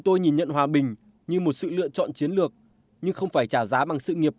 tôi nhìn nhận hòa bình như một sự lựa chọn chiến lược nhưng không phải trả giá bằng sự nghiệp